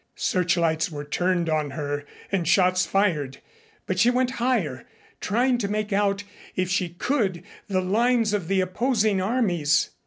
Searchlights were turned on her and shots fired, but she went higher, trying to make out if she could the lines of the opposing armies.